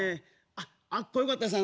あっあっこよかったです